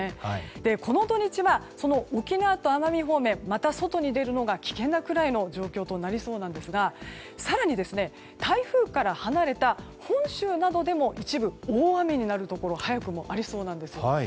この土日は沖縄と奄美方面また、外に出るのが危険なくらいの状況となりそうですが更に、台風から離れた本州などでも一部大雨になるところ早くもありそうなんですよ。